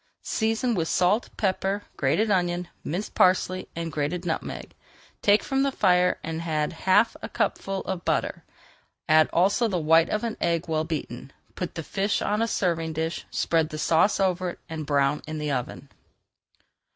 Season with salt, pepper, grated onion, minced parsley, and grated nutmeg, take from the fire and add half a cupful of butter. Add also the white of an egg well beaten. Put the fish on a serving dish, spread the sauce over it and brown in the oven.